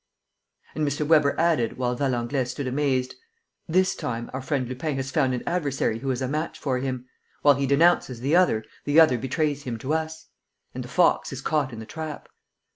And M. Weber added, while Valenglay stood amazed: "This time, our friend Lupin has found an adversary who is a match for him. While he denounces the other, the other betrays him to us. And the fox is caught in the trap."